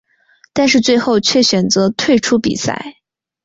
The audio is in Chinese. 但是最后却选择退出比赛。